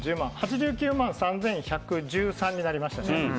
８９万３１１３になりましたか。